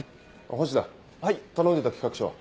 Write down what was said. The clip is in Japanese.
星田頼んでた企画書は？